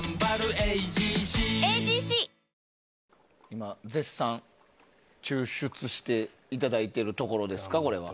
今絶賛、抽出していただいているところですか。